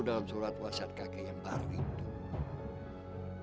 dalam surat wasiat kakek yang baru itu